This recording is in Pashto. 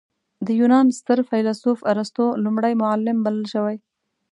د یونان ستر فیلسوف ارسطو لومړی معلم بلل شوی.